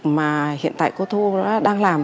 mà hiện tại cô thu đang làm